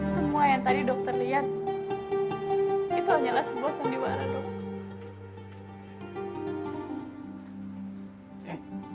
semua yang tadi dokter lihat itu hanyalah sebuah sandiwara dok